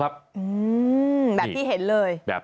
ไม่รู้จัก